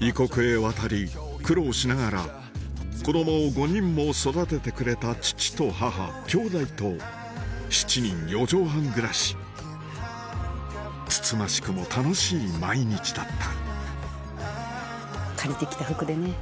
異国へ渡り苦労しながら子供を５人も育ててくれた父と母きょうだいと７人４畳半暮らしつつましくも楽しい毎日だった借りてきた服でね。